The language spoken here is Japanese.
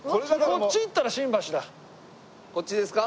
こっちですか？